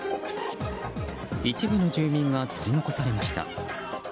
一部の住民が取り残されました。